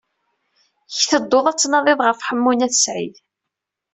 I tedduḍ ad d-tnadiḍ ɣef Ḥemmu n At Sɛid?